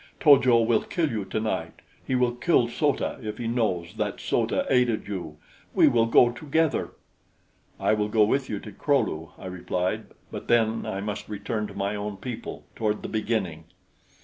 To jo will kill you tonight. He will kill So ta if he knows that So ta aided you. We will go together." "I will go with you to the Kro lu," I replied, "but then I must return to my own people `toward the beginning.'"